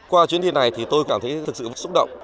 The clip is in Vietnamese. qua chuyến đi này thì tôi cảm thấy thực sự xúc động